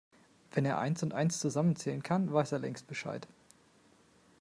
Wenn er eins und eins zusammenzählen kann, weiß er längst Bescheid.